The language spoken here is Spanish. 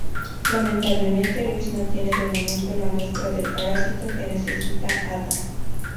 Lamentablemente Luis no tiene de momento la muestra del parásito que necesita Ada.